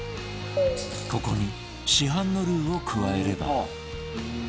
ここに市販のルーを加えれば